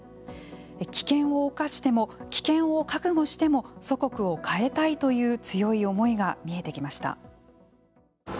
危険を冒しても危険を覚悟しても祖国を変えたいという強い思いが見えてきました。